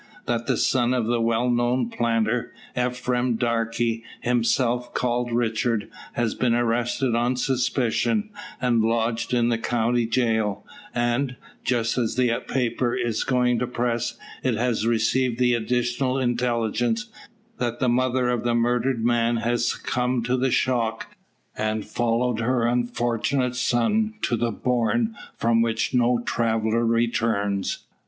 That the son of a well known planter, Ephraim Darke, himself called Richard, has been arrested on suspicion, and lodged in the county jail; and, just as the paper is going to press, it has received the additional intelligence, that the mother of the murdered man has succumbed to the shock, and followed her unfortunate son to the "bourne from which no traveller returns."